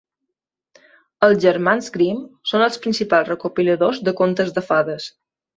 Els Germans Grimm són els principals recopiladors de contes de fades.